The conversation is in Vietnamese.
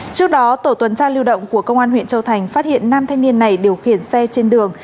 trước đó tổ tuần tra lưu động của công an huyện châu thành phát hiện nam thanh niên này điều khiển xe trên đường